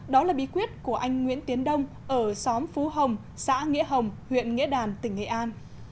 đó là bí quyết của anh nguyễn tiến đông ở xóm phú hồng xã nghĩa hồng huyện nghĩa đàn tỉnh nghệ an